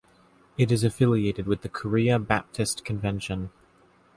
It is affiliated with the Korea Baptist Convention.